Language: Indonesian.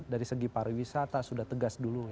dari segi pariwisata sudah tegas dulu